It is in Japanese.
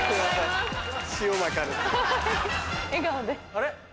あれ？